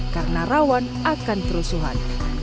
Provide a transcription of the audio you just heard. karena rawan akan kerusuhan